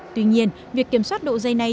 tuy nhiên việc kiểm soát độ dày này